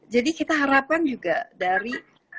jadi kita harapkan juga dari